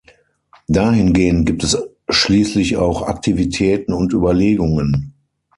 Dahin gehend gibt es schließlich auch Aktivitäten und Überlegungen.